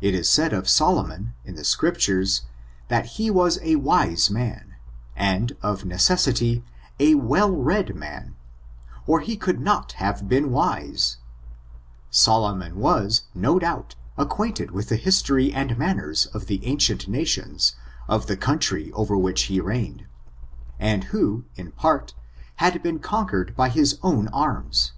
It is said of Solomon, in the Scriptures, that he was a wise man, and, of necessity, a well read man, or he could not have been wise, Solomon was, no doubt, ac quainted with the history and manners of the ancient nations of the country over which he reigned, and who, in part, had been conquered by his own arms.